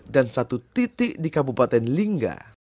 dan satu titik di kabupaten lingga